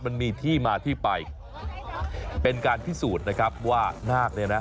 มันมีที่มาที่ไปเป็นการพิสูจน์นะครับว่านาคเนี่ยนะ